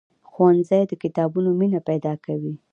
ښوونځی د کتابونو مینه پیدا کوي